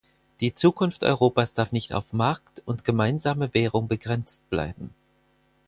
Die Zukunft Europas darf nicht auf Markt und gemeinsame Währung begrenzt bleiben.